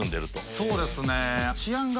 そうですね。